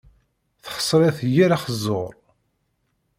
Texẓer-it yir axeẓẓur.